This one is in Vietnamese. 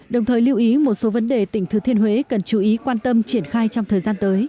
đồng thời lưu ý một số vấn đề tỉnh thừa thiên huế cần chú ý quan tâm triển khai trong thời gian tới